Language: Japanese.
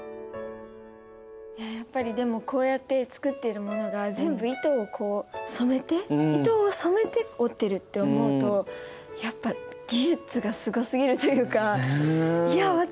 やっぱりでもこうやって作っているものが全部糸をこう染めて糸を染めて織ってるって思うとやっぱ技術がすごすぎるというかいや私